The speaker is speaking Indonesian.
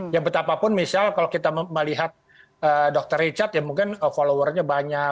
ya betapapun misal kalau kita melihat dr richard ya mungkin followernya banyak